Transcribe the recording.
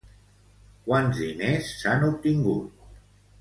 Quants diners s'han obtingut?